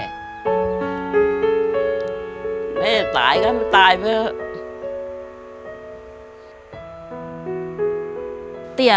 พี่แม่จะตายก็ตายเว้ย